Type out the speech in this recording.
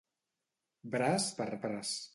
Braç per braç.